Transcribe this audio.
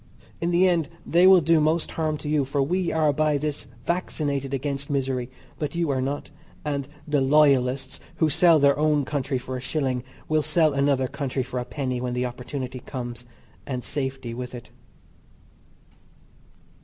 In the end they will do most harm to you for we are by this vaccinated against misery but you are not, and the "loyalists" who sell their own country for a shilling will sell another country for a penny when the opportunity comes and safety with it.